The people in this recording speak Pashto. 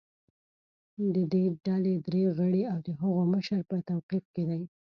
د دې ډلې درې غړي او د هغو مشر په توقیف کې دي